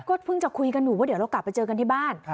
ก็เพิ่งจะคุยกันอยู่ว่าเดี๋ยวเรากลับไปเจอกันที่บ้าน